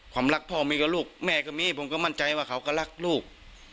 รักพ่อมีกับลูกแม่ก็มีผมก็มั่นใจว่าเขาก็รักลูก